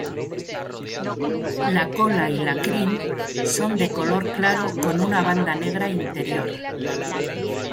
La cola y la crin son de color claro con una banda negra interior.